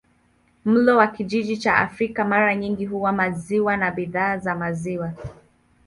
Mlo wa kijiji cha Afrika mara nyingi huwa maziwa na bidhaa za maziwa.